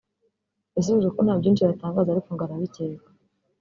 yasubije ko nta byinshi yatangaza ariko ngo arabicyeka